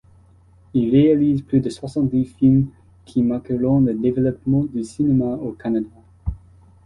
Il réalise plus de soixante-dix films qui marqueront le développement du cinéma au Canada.